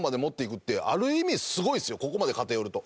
ここまで偏ると。